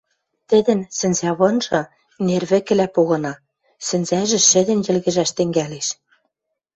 Тӹдӹн сӹнзӓвынжы нер вӹкӹлӓ погына, сӹнзӓжӹ шӹдӹн йӹлгӹжӓш тӹнгӓлеш.